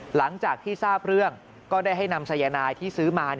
หลังจากที่ทราบเรื่องก็ได้ให้นำสายนายที่ซื้อมา